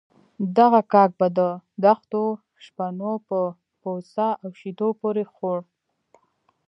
دغه کاک به د دښتو شپنو په پوڅه او شيدو پورې خوړ.